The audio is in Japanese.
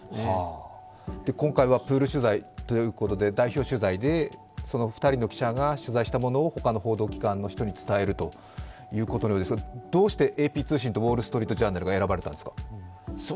今回はプール取材ということで代表取材で２人の記者が取材したものを他の報道機関の人に伝えるということのようですが、どうしてＡＰ通信と「ウォール・ストリート・ジャーナル」が選ばれたんですか？